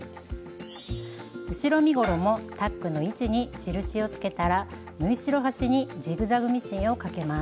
後ろ身ごろもタックの位置に印をつけたら縫い代端にジグザグミシンをかけます。